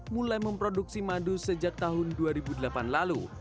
mulai memproduksi madu sejak tahun dua ribu delapan lalu